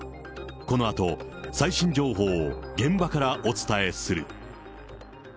このあと最新情報を現場からお伝えする。